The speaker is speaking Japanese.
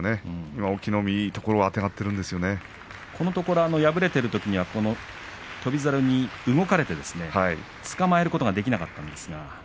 隠岐の海がいいところをこのところ敗れているときは翔猿に動かれてつかまえることができなかったですね。